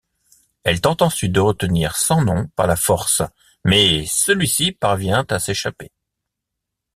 Elle tente ensuite de retenir Sans-Nom par la force mais celui-ci parvient à s’échapper.